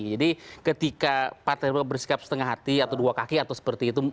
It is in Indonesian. jadi ketika partai demokrat bersikap setengah hati atau dua kaki atau seperti itu